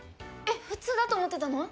えっ普通だと思ってたの？